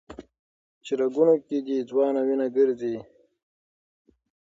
چي رګونو كي دي ځوانه وينه ګرځي